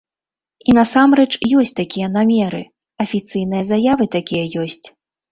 І насамрэч ёсць такія намеры, афіцыйныя заявы такія ёсць.